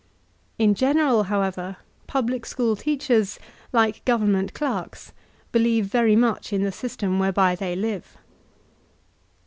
In general, however, public school teachers, like gov ernment clerks, believe very much in the system whereby they live.